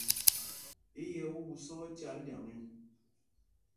I yɛ̄ ú ɓuu sá ócâl ɗyaŋ e ?